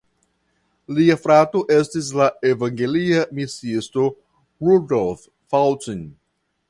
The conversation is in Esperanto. Lia frato estis la evangelia misiisto Rudolf Faltin.